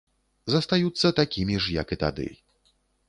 Застаюцца такімі ж, як і тады.